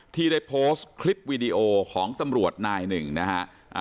ที่ได้โพสต์คลิปวีดีโอของตำรวจนายหนึ่งนะฮะ